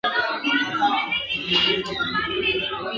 ته لاهو په تنهایی کي !.